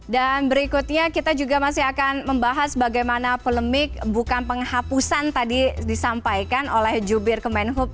dan berikutnya kita juga masih akan membahas bagaimana polemik bukan penghapusan tadi disampaikan oleh jubir kemenhub